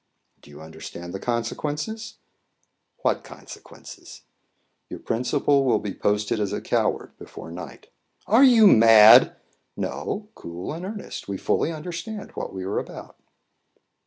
"Do you understand the consequences?" "What consequences?" "Your principal will be posted as a coward before night." "Are you mad?" "No, cool and earnest. We fully understand what we are about."